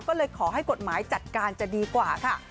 ก็เลยขอให้กฎหมายจัดการจะดีกว่าค่ะ